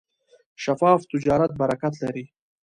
شفاف تجارت برکت لري.